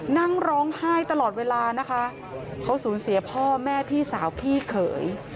นั่งร้องไห้ตลอดเวลานะคะเขาสูญเสียพ่อแม่พี่สาวพี่เขย